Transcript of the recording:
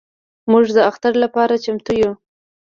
موږ د اختر لپاره چمتو یو.